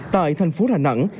tại thành phố hà nẵng